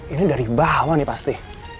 ini dari bawah nih pasti